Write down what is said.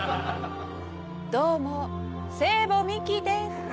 どうも聖母ミキです。